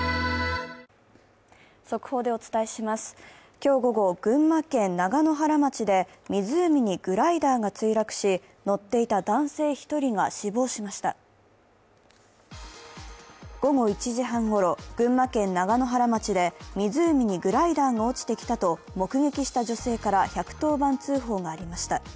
今日午後、群馬県長野原町で湖にグライダーが墜落し、乗っていた男性１人が死亡しました午後１時半ごろ、群馬県長野原町で湖にグライダーが落ちてきたと目撃した女性から１１０番通報がありました。